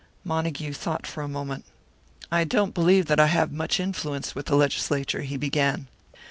Montague thought for a moment. "I don't believe that I have much influence with the Legislature," he began.